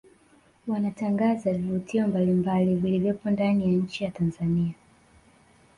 Wanatangaza vivutio mbalimbali vilivyopo ndani ya nchi ya Tanzania